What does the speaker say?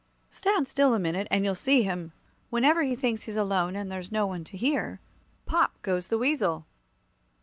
"Stand still a minute, and you'll see him. Whenever he thinks he's alone, and there's no one to hear, 'pop' goes the weasel."